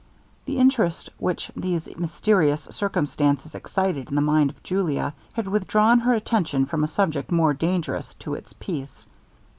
The interest which these mysterious circumstances excited in the mind of Julia, had withdrawn her attention from a subject more dangerous to its peace.